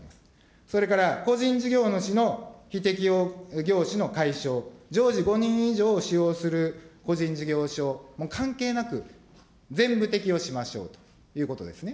それから個人事業主の非適用業種の解消、常時５人以上を使用する個人事業所、関係なく、全部適用しましょうということですね。